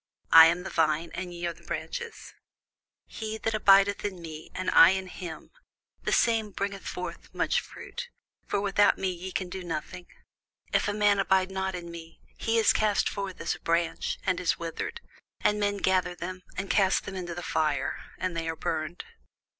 I am the vine, ye are the branches: He that abideth in me, and I in him, the same bringeth forth much fruit: for without me ye can do nothing. If a man abide not in me, he is cast forth as a branch, and is withered; and men gather them, and cast them into the fire, and they are burned.